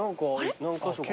何カ所か。